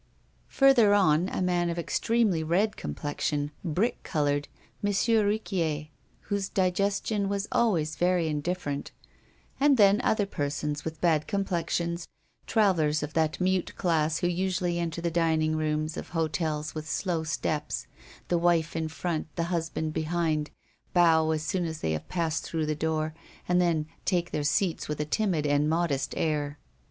Further on, a man of extremely red complexion, brick colored, M. Riquier, whose digestion was also very indifferent, and then other persons with bad complexions, travelers of that mute class who usually enter the dining rooms of hotels with slow steps, the wife in front, the husband behind, bow as soon as they have passed the door, and then take their seats with a timid and modest air.